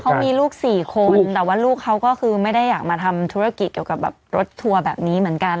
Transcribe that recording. เขามีลูกสี่คนแต่ว่าลูกเขาก็คือไม่ได้อยากมาทำธุรกิจเกี่ยวกับแบบรถทัวร์แบบนี้เหมือนกัน